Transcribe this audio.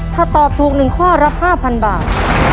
ถ้าตอบถูกหนึ่งข้อรับห้าพันบาท